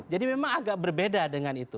jadi memang agak berbeda dengan itu